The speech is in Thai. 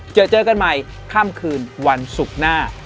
เจอเจอกันใหม่ค่ำคืนวันศุกร์หน้า